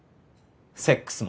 セックスも？